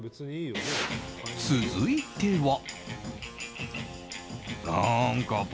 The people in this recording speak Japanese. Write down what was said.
続いては。